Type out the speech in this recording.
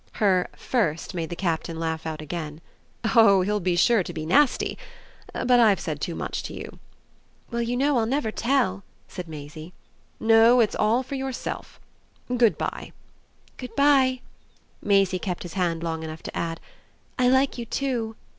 Her "first" made the Captain laugh out again. "Oh he'll be sure to be nasty! But I've said too much to you." "Well, you know, I'll never tell," said Maisie. "No, it's all for yourself. Good bye." "Good bye." Maisie kept his hand long enough to add: "I like you too."